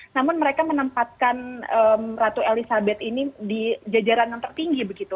namun mereka menempatkan ratu elizabeth ini di jajaran yang tertinggi begitu